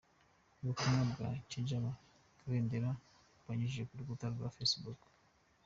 Ubutumwa bwa Tidjala Kabendera yanyujije ku rukuta rwe rwa Facebook.